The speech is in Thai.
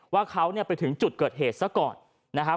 ว่าเขาไปถึงจุดเกิดเหตุซะก่อนนะครับ